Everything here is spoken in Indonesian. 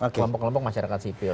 kelompok kelompok masyarakat sipil